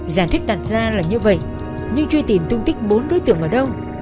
giải thuyết đặt ra là như vậy nhưng chưa tìm tung tích bốn đối tượng ở đâu